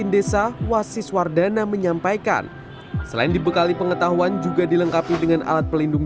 desa wasiswardana menyampaikan selain dibekali pengetahuan juga dilengkapi dengan alat pelindung